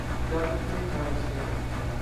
کیا دشمنی ہے مجھ سے؟